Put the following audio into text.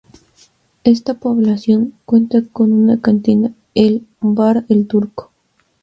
Esta población cuenta con una cantina, el "Bar El Turco".